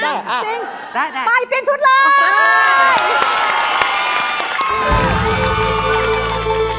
ไปเปลี่ยนชุดเลย